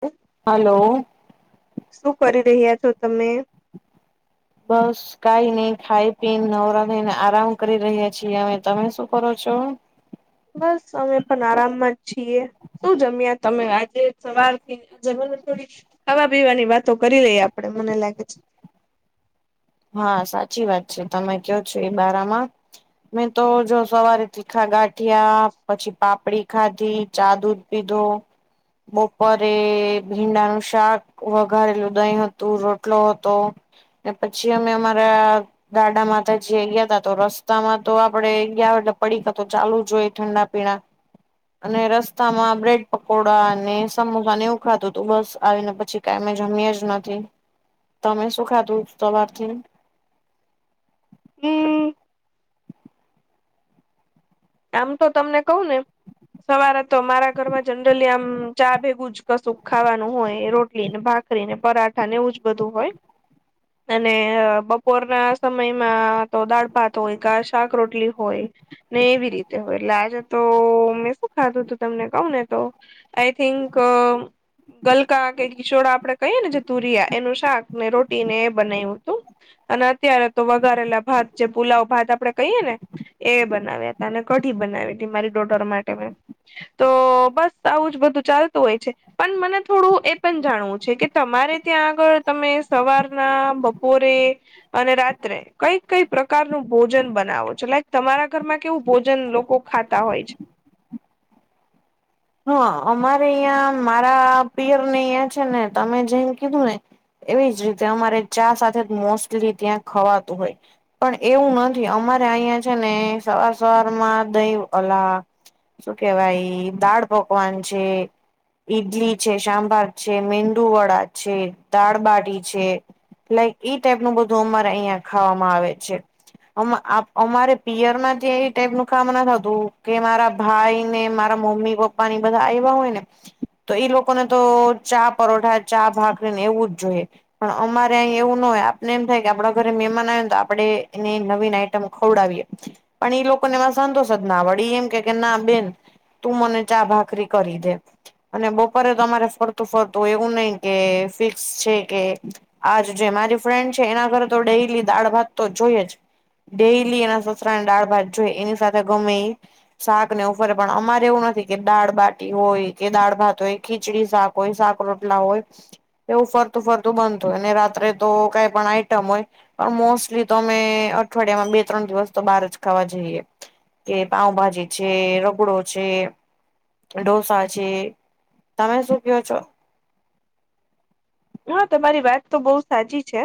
ઓ. Hello. શું કરી રહ્યા છો? તમે. બસ કાઈ ની ખાઈ પી નવરા નઈને આરામ કરી રહ્યા છીએ અમે તમે શું કરો છો? બસ અમે પણ આરામમાં જ છીએ શું જમ્યા તમે આજે સવારથી આજે મને થોડી ખાવા પીવાની વાતો કરી લઈએ આપડે મને લાગે છે. હા સાચી વાત છે, તમે કયો છો એ બારામાં મેં તો જો સવારે તીખા ગાંઠયા પછી પાપડી ખાધી જાદુ પીધો બપોરે ભીંડાનું શાક વઘારેેલું દહીં હતું રોટલો હતો. ને પછી અમે અમારા ગાડામાં તો જે ગયા તા તો રસ્તામાં તો આપડે ગયા એટલે પડી કા તો ચાલુ જોઈ ઠંડા પીણા. અને રસ્તામાં બ્રેડ પકોડા અને સમોસાને એવું ખાધુ હતું બસ આવીને પછી [unintelligible] જમીએ જ નથી તમે શું ખાધું સવારથી? હમ્મ આમ તો તમને કહું ને સવારે તો મારા ઘરમાં જનરલી આમ ચા ભેગું જ કશું ખાવાનું હોય રોટલી ને ભા ખરીને પરાઠા ને એવું જ બધું હોય અને બપોરના સમયમાં તો દાળ ભાત હોય કા શાક રોટલી હોય ને એવી રીતે હોય એટલે આજે તો મેં શું ખાધું તું તમને કઉ ને તો આઈ થિંક ગલકા કે કીચોડા આપડે કહીએ ને જે તુરિયા એનું શાક ને રોટી ને એ બનાવ્યુંતું અને અત્યારે તો વઘારેલા ભાત જે પુલાવ ભાત આપડે કહીએ ને એ બનાવ્યા હતા ને કઢી બનાવીતી મારી ડોટર માટે મે તો બસ આવું જ બધું ચાલતું હોય છે. પન મને થોડું એ પણ જાણવું છે, કે તમારે ત્યાં આગળ તમે સવારના બપોરે અને રાત્રે કઈ કઈ પ્રકારનું ભોજન બનાવો છે, લાઈક તમારા ઘરમાં કેવું? ભોજન લોકો ખાતા હોય છે. હ અમારે અહં મારા પિયર ને અયા છે, ને તમે જેમ કીધું ને એવી જ રીતે અમારે ચા સાથે જ મોસ્ટલી ત્યાં ખવાતું હોય પણ એવું નથી અમારે અયા છે, ને સવાર સવાર માં દહી અલા શું કેવાય દાળ પકવાન છે. ઈડલી છે, સાંભાર છે, મેંદુ વડા છે, દાળબાટી છે. લાઈક ઈ ટાઈપનું બધું અમાર અહિયાં ખાવામાં આવે છે. અમા આપ અમારે પિયર ના જે એ ટાઈપનું કામ ના થતું કે મારા ભાઈ ને મારા મમ્મી પપ્પાની બધા આવ્યા હોય ને તો ઈ લોકોને તો ચા પરોઠા ચા ભાકરીને એવું જ જોએ પણ અમારે અ ય એવું ના હોય આપને એમ થાય કે આપડા ઘરે મહેમાન આવ ને તો આપડે એને નવીન આઈટમ ખવડાવીએ પણ એ લોકો ને સંતોષ જ ના વડી એમ કે કે ના બેન તું મને ચા ભાકરી કરી દે અને બપોરે તમારે ફરતું ફરતું એવું નહી કે ફિક્સ છે, કે આજ જે મારી ફ્રેન્ડ છે, એના ઘરે તો ડેલી દાળ ભાત તો જોઈએ જ ડેઈલી એના સસરાને દાળ ભાત જોઈ એની સાથે ગમે એ શાક ને એવૂ ફરે પણ અમારે એવું નથી કે દાળ બાટી હોય, કે દાળ ભાત હોય, ખીચડી શાક હોય, શાક રોટલા હોય. એવું ફરતું ફરતું બનતું અને રાત્રે તો કઈ પણ આઈટમ હોય પણ મોસ્ટલી તો અમે અઠવાડિયામાં બે ત્રણ દિવસ તો બહાર જ ખાવા જઈએ. કે પાઉભાજી છે, રગડો છે, કે ઢોસા છે તમે શું કયો છો? હા તમારી વાત તો બહુ સાચી છે.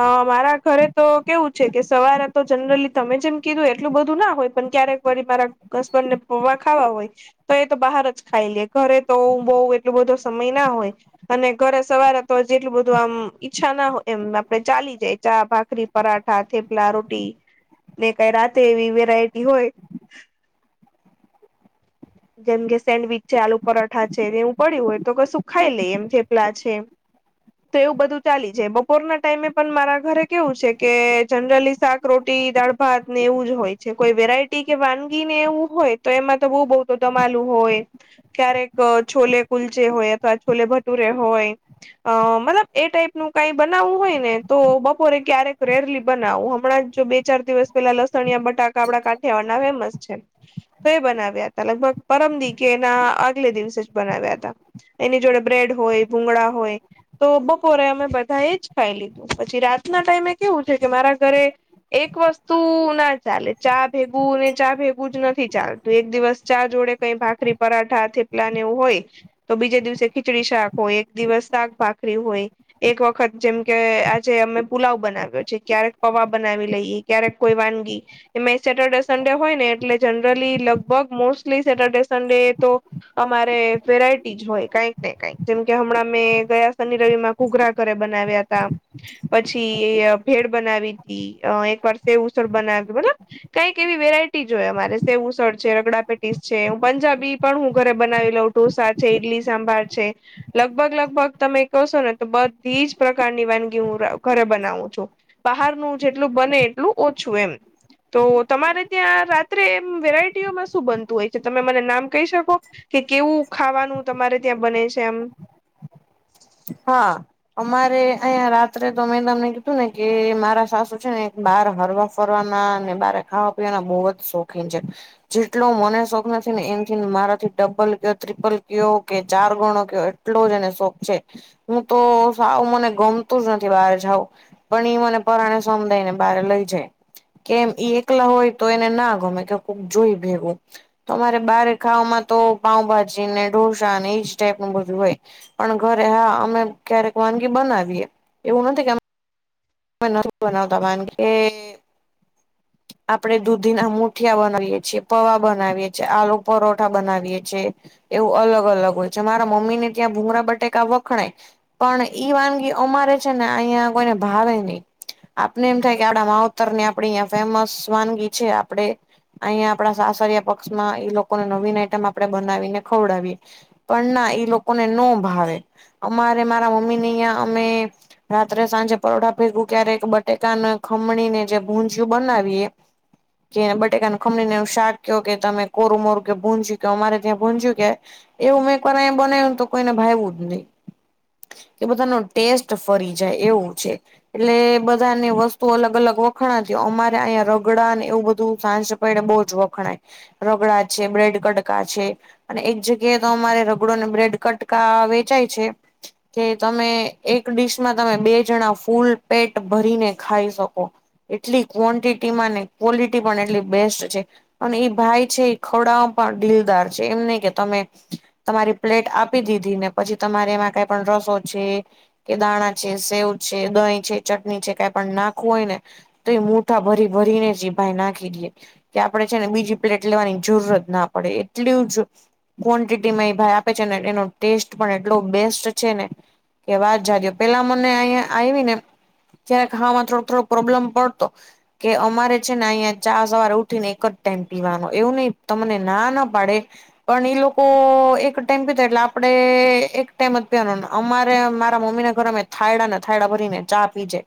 અ મારા ઘરે તો કેવું છે કે સવારે તો જનરલી તમે જેમ કીધું હોય એટલું બધું ના હોય પણ ક્યારેક વળી મારા હસબન્ડ ને પોહા ખાવા હોય. તો એ તો બહાર જ ખાઈ લે ઘરે તો બહુ એટલો બધો સમય ના હોય અને ઘરે સવારે, તો જેટલું બધું આમ ઈચ્છા ના હોય એમ આપડે ચાલી જાય ચા, ભાખરી, પરાઠા, થેપલા, રોટી, ને કઈ રાતે એવી વેરાયટી હોય. [inaudible] જેમ કે સેન્ડવીચ છે આલુ પરાઠા છે એવું પડ્યું હોય તો કશું ખાઈ લે એમ થેપલા છે. તો એવું બધું ચાલી જાય બપોરના ટાઈમે પણ મારા ઘરે કેવું છે કે જનરલી શાક, રોટી દાળ ભાત ને એવું જ હોય છે કોઈ વેરાયટી કે વાનગી ને એવું હોય, તો એમાં તો બહુ બહુ તો દમઆલુ હોય. ક્યારેક છોલે કુલ્ચે હોય અથવા છોલે ભટુરે હોય. અ મતલબ એ ટાઈપ નું કઈ બનાવવું હોય ને તો બપોરે ક્યારેક રેરલી બનાવવું હમણાં જ જો બે, ચાર દિવસ પેલા લસણિયા બટાકા આપડા કાઠિયાવાળ ના ફેમસ છે. તો એ બનાવ્યા હતા લગભગ પરમ દિ કે એના આગલે દિવસે જ બનાવ્યા હતા. એની જોડે બ્રેડ હોય ભૂગળા હોય. તો બપોરે અમે બધા એ જ ખાઈ લીધું પછી રાતના ટાઈમે કેવું છે કે મારા ઘરે, એક વસ્તુ ના ચાલે ચા ભેગું ને ચા ભેગું જ નથી ચાલતું એક દિવસ ચા જોડે, કઈ ભાખરી પરાઠા થેપલા ને એવું હોય તો બીજે દિવસે ખીચડી શાક હોય. દિવસ શાક ભાકરી હોય, એક વખત જેમ કે આજે અમે પુલાવ બનાવ્યો છે, ક્યારેક પવા બનાવી લઈએ. ક્યારેક કોઈ વાનગી, એમાં સેટરડે સડે હોય ને એટલે જનરલી લગભગ મોસ્ટલી સેટરડે સન્ડે તો, અમારે વેરાયટી જ હોય કઈક ને કઈક જેમ કે કે હમણાં મેં ગયા શનિ રવિ માં કુઘરા ઘરે બનાવ્યા તા, પછી ભેડ બનાવી હતી એક વાર સેવ-ઉસળ બનાવ મતલબ, કઈક એવી વેરાયટી જો હોય અમારે સેવુંસળ છે, રગડા પેટીસ છે, એવુ પંજાબી, પણ હું ઘરે બનાવી લઉં ઢોસા છે, ઇડલી સાંભાર છે. લગભગ લગભગ તમે કહશો ને તો બધી જ પ્રકારની વાનગી હું ઘરે બનાવું છું. બહારનું જેટલું બને એટલું ઓછું એમ. તો તમારે ત્યાં રાત્રે એ વેરાયટીઓમાં શું બનતું હોય છે તમે મને નામ કહી શકો. કે કેવું ખાવાનું તમારે ત્યાં બને છે એમ, હા, અમારે અહીં રાત્રે તો મેં તમને કીધું ને કે મારા સાસુ છે ને એક બાર હરવા, ફરવાના અને બારે ખાવા પીવાના બહુ જ શોખીન છે. જેટલો મને શોખ નથી ને એમથીને મારાથી ડબલ કયો ત્રિપલ કયો કે ચાર ગણો કયો, એટલો જ એને શોખ છે હું તો સાવ મને ગમતું જ નથી બહાર જાઉં. પણ એ મને પરાણે સમ દઈ ને બહાર લઈ જાય. કેમ, એ એકલા હોય તો એને ના ગમે કે કોઈ જોઈને ભેગું... તોરે બારે ખાવામાં તો પાઉભાજી ને ઢોસા, એ જ ટાઈપનું બધું હોય પણ... ઘરે હા, અમે ક્યારેક વાનગી બનાવીએ, એવું નથી કે... નથી બનાવતા કારણ કે... આપણે દૂધીના મુઠિયા બનાવીએ છીએ, પૌંઆ બનાવીએ છીએ, આલુ પરોઠા બનાવીએ છીએ. એવું અલગ અલગ હોય છે. મારા મમ્મીને ત્યાં ભૂમરા બટાકા વખણાય. પણ એ વાનગી અમારે છે ને, અહીં કોઈને ભાવે નહીં. આપણે એમ થાય કે, આપણા માવતર ની આપણી અહીં ફેમસ વાનગી છે આપણે અહીંયા આપણા સાસરિયા પક્ષમાં એ લોકોને નવીન આઈટમ આપણે બનાવીને ખવડાવી. પણ ના, એ લોકોને નો ભાવે. અમારે, મારા મમ્મીને, અહિયા અમે. રાત્રે, સાંજે પરોઠા ફેરવું ક્યારેક બટાકાને ખમણીને જે ભૂ બીજું બનાવીએ. જે બટાકાને ખમણીને શાક કહો કે તમે કોરું મોરું કે ભૂજ્યું, એ મારે ત્યાં ભૂજ્યું કે. એવું મે એકવાર એમ બનાયુ તુ કોઈને ભાવવું જ નહીં. એ બધાનો ટેસ્ટ ફરી જાય એવું છે. એટલે બધાની વસ્તુ અલગ અલગ વખાણ. અમારે અહીં રગડા ને એવું બધું સાંજ પડને બહુ જ વખણાય. રગડા છે, બ્રેડ ગટકા છે. અને એક જગ્યાએ તો અમારે રગડાને બ્રેડ કટકા વેચાય છે. કે તમે એક ડિશમાં તમે બે જણા ફૂલ પેટ ભરીને ખાઈ શકો. એટલી ક્વોન્ટિટીમાં ને ક્વોલિટી પણ એટલી બેસ્ટ છે. અને એ ભાઈ છે, એ ખવડાવવામાં પણ દિલદાર છે. એમને કે તમે તમારી પ્લેટ આપી દીધી ને, પછી તમારે એમાં કંઈ પણ રસો છે. કે દાણા છે, સેવ છે, દહીં છે, ચટણી છે, કંઈ પણ નાખવું હોય ને તો એ મુઠા ભરી ભરીને જ ઈ ભાઈ નાખી દે. કે આપણે છે ને બીજી પ્લેટ લેવાની જરૂરિયાત ન પડે એટલી જ. ક્વોન્ટિટીમાં એ ભાઈ આપે છે ને, એનો ટેસ્ટ પણ એટલો બેસ્ટ છે ને. વાત જાણ્યો, પહેલાં મને અહીંયા આવીને ક્યારેક હા, થોડો થોડો પ્રોબ્લેમ પડતો. તો. કે અમારે છે ને, અહીંયા ચા સવારે ઊઠીને એક જ ટાઈમ પીવાનો એવું નહીં, તમને ના ના પાડે. પણ એ લોકો એક ટાઈમ પીતા એટલે આપણે એક ટાઈમ જ પીવાનો. અમારે, મારા મમ્મીને થયડા ને થયડા ભરીને ચા પીજે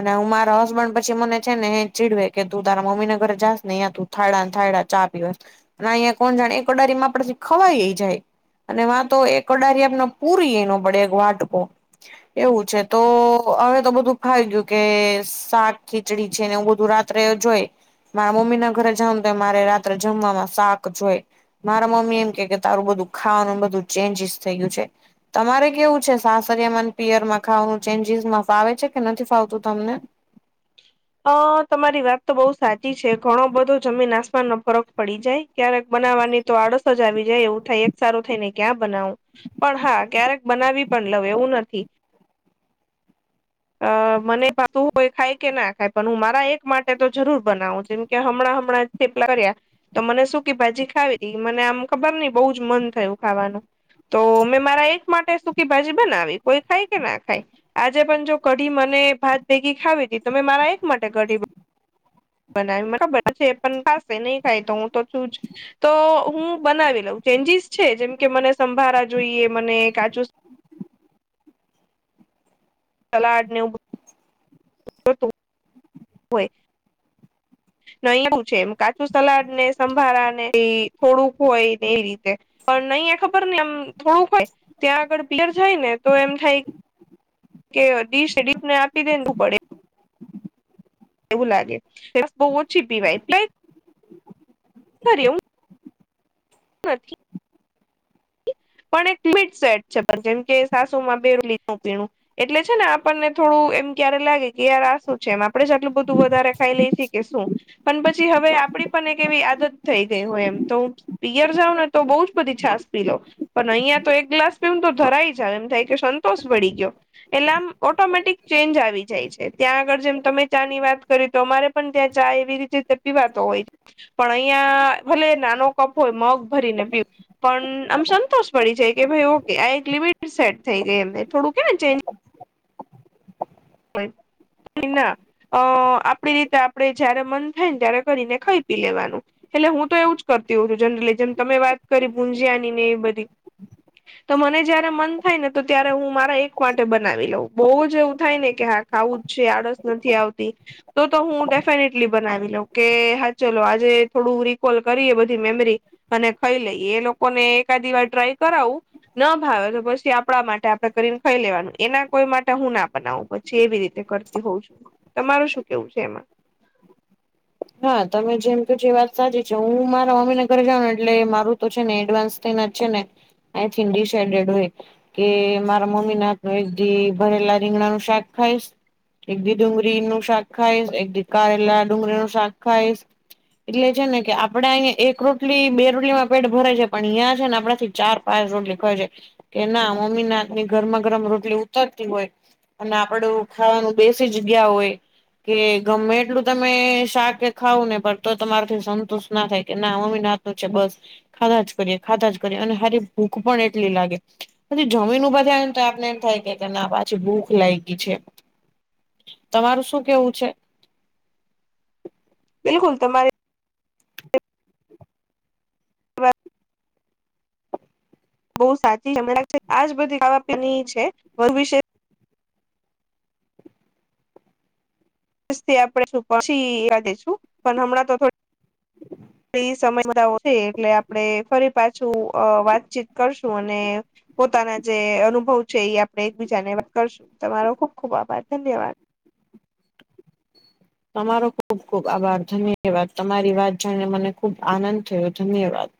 અને હું, મારા હસબન્ડ પછી. પછી મને છે ને એ ચીડવે કે, તું મમ્મીના ઘરે જઈશ ને, ત્યાં તું થાળડા ને થાળડા ચા પીવશ. ના અહીંયા કોણ જાણે એ કડાઈમાં આપડું ખવાઈ જાય. અને ત્યાં તો એ કડાઈમાં આપણે પૂરી એ ન પડે, એક વાટકો. એવું છે તો હવે તો બધું ખાઈ ગયું કે શાક? ખીચડી છે ને, એવું બધું રાત્રેજ હોએ. મારા મમ્મીના ઘરે જાઉ તો મારે રાત્રે જમવામાં શાક જોઈએ. મારા મમ્મી એમ કહે કે, તારું બધું ખાવાનું બધું ચેન્જીસ થઈ ગયું છે. તમારે કેવું છે, સાસરિયામાં અને પિયરમાં ખાવાનું ચેન્જીસમાં ફાવે છે કે નથી ફાવતું તમને? આ તમારી વાત તો બહુ સાચી છે, ઘણો બધો જમીન-આસમાનનો ફરક પડી જાય. ક્યારેક બનાવવાની તો આડસ જ આવી જાય, એવું થાય એક સારું થઈને ક્યાં બનાવું? પણ હા, ક્યારેક બનાવી પણ લઉં, એવું નથી. અ મને ખાધું હોય, ખાય કે ના ખાય, પણ હું મારા એક માટે તો જરૂર બનાવું, જેમ કે હમણાં હમણાં થેપલાં કયા તો મને સૂકી ભાજી ખાવી તી મને આમ ખબર નહીં, બહુ જ મન થયું ખાવાનું. તો મેં મારા એક માટે સૂકી ભાજી બનાવી. કોઈ ખાય કે ના ખાય, આજે પણ જો કઢી મને ભાત ભેગી ખાવી હતી, એટલે મેં મારા એક માટે કઢી. બનાવી. મને ખબર છે એ પણ પાસે નહીં ખાય, તો હું તો છું જ. તો હું બનાવી લઉં, ચેન્જીસ છે. જેમ કે મને સંભારાં જોઈએ, મને કાચું. સલાડ ને એવું. શું? હોય. ન એ છે, એમ કાચું સલાડ ને, સંભારા ને, થોડુંક હોય ને એ રીતે. પણ નહી એ ખબર ને, આમ થોડુંક હોય, ત્યાં આગળ પ્યર જાય ને, તો એમ થાય. કે દડીશ ડીપ ને, આપી દે પડે. એવું લાગે, છાસ બહુ જ છીપીવાય તોય પણ પીવે. હા. પણ એક મિટ સેટ છે, પણ જેમ કે સાસુમાં બે મિનિટ નુ તેણુ એટલે છે ને, આપણને થોડું એમ ક્યારે લાગે કે, યાર આ શું છે? એમ આપડે જ આટલું બધું વધારે ખાઈ લઈ એ છે કે શું? પણ પછી હવે આપડી પણ એક એવી આદત થઈ ગઈ હોય, એમ તો પિયર જાાવ ને, તો બહુ જ બધી છાસ. પી લો પણ અહીયાં તો એક ગ્લાસ પીવું તો, ધરાઈ જાવ, એમ થાય કે, સંતોષ વળી ગયો. એટલે ઓટોમેટિક ચેન્જ આવી જાય છે, ત્યાં આગળ જેમ તમે ચા ની વાત કરી તો અમારે પણ ત્યાં ચાય એવી રીતે તપી વાતો હોય. પણ અહીં ભલે નાનો, કફ હોય, મગ ભરીને પીવું પણ. આમ સંતોષ પડી જાય કે, ભાઈ ઓકે, આ એક લિમિટ સેટ થઈ ગઈ એમ, થોડું કે ને ચેન્જ હોય કે, ના. અ આપણી રીતે આપણે જયારે મન થાય ને, ત્યારે કરીને ખાઈ પી લેવાનું. એટલે હું તો એવું જ કરતી હોઉ છું, જનરલી જેમ તમે વાત કરી ભુંજિયાની ને, એ બધી. તો મને જ્યારે મન થાય ને, તો ત્યારે હું મારા એક માટે બનાવી લઉં, બહુવ જ એવું થાય ને. કે હા, ખાવું જ છે, આળસ નથી આવતી. તો તો હું ડેફિનેટલી બનાવી દઉં કે. હા, ચાલો, આજે થોડું રેક્વલ કરીએ, બધી મેમરી. અને ખાઈ લઈ, એ લોકોને એકાદ વખત ટ્રાય કરાવવું. ના ભાવે તો, પછી આપણાં માટે આપડે કરીને, ખાઈ લેવાનું, એના કોઈ માટે હું નાં બનાવું પછે. જે એવી રીતે કરતી હોઉં છું, તમારુ શું કેવું છે એમાં? હા, તમે જેમ કવ છો, એ વાત સાચી છે, હું મારા મમ્મી ના ઘરે જાઉં ને, એટલે મારું તો છે ને, એડવાન્સ. તેમાં છે ને, આઈ થી રિસાઈન્ડેડ હોય. કે મારા મંમ્મી ના ઘરેથી, ભરેલા રીંગણા નું શાક ખાઈશ. એક દી ડુંગળીનું શાક ખાઈશ, એક દી કારેલા-ડુંગળીનું શાક ખાઈશ. એટલે છે ને કે, આપડે અહિયા એક રોટલી બે રોટરીમાં પેટ ભરાય જાય, પણ ઈયા છે ને, આપડા થી ચાર. પાચ રોટલી ખ‌ઈ જાય કે, નાં મમ્મી ના હાથથી ગરમા-ગરમ રોટલી ઉતરતી હોય. અને આપડું ખાવાનું, બેસી જગ્યા એ હોય, કે ગમે એટલું તમે શાક. ખાવું ને, પણ તો તમારેથી સંતોષ ના થાય કે, ના મમ્મી ના હાથનુ છે બસ. ખાધાજ કરીએ, ખાધાજ કરીએ, અને હારી ભૂખ પણ એટલી જ લાગે. પછી જમીન ઉભાં થયા હોન, આપણને એમ થાય કે, ના પાછી ભૂખ લાગી છે. તમારું શું કેવું છે? ભુલ તમારી. બહુ સાચી જ જમણાક છે, આજ બધી ખાવા-પીવાની છે, તેના વિશે. આજ થી આપે શું? પછી કાઢી શું? પણ હમણાં તો થો હ. સમય વધારે છે, એટલે આપણે ફરી પાછું વાતચીત કરશું, અને પોતાના જે અનુભવ છે, એ આપડે એકબીજાને વાત કરશું, તમારો ખુબ ખુબ આભાર ધન્યવાદ. તમારો ખુબ ખુબ આભાર ધન્યવાદ, તમારી વાત જાણીને, મને ખુબ આનંદ થયો, ધન્યવાદ.